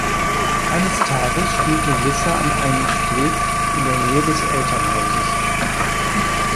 Eines Tages spielt Melissa an einem Steg in der Nähe des Elternhauses.